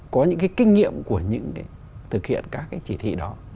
có những cái kinh nghiệm của những cái thực hiện các cái chỉ thị đó